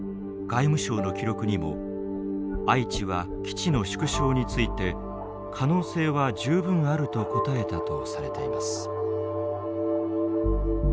外務省の記録にも愛知は基地の縮小について可能性は十分あると答えたとされています。